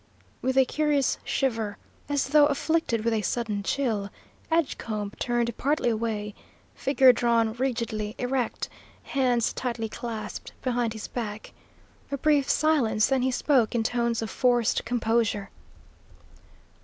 With a curious shiver, as though afflicted with a sudden chill, Edgecombe turned partly away, figure drawn rigidly erect, hands tightly clasped behind his back. A brief silence, then he spoke in tones of forced composure.